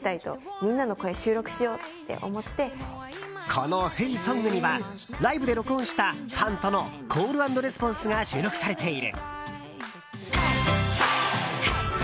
この「ＨｅｙＳｏｎｇ」にはライブで録音したファンとのコール＆レスポンスが収録されている。